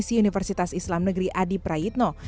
universitas islam negeri adi prayitno